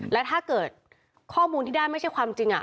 และถ้าเกิดข้อมูลที่ได้ไม่ใช่ความจริง